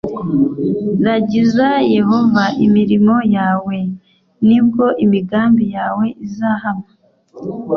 ragiza yehova imirimo yawe v ni bwo imigambi yawe izahama